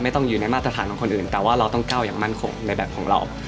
ต้องอยู่ในมาตรฐานของคนอื่นแต่ว่าเราต้องก้าวอย่างมั่นคงในแบบของเรา